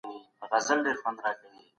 موږ په صنف کي د نوي ټیکنالوژۍ په اړه بحث کوو.